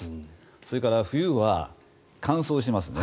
それから、冬は乾燥しますね。